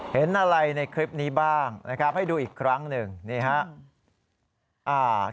เห็นอะไรในคลิปนี้บ้างนะครับให้ดูอีกครั้งหนึ่งนี่ครับ